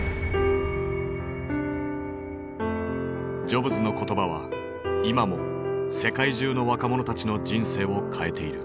ジョブズの言葉は今も世界中の若者たちの人生を変えている。